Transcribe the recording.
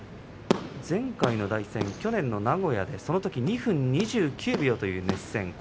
前回の対戦は去年の名古屋そのときは２分２９秒という熱戦。